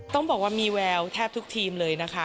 ต้องบอกว่ามีแววแทบทุกทีมเลยนะคะ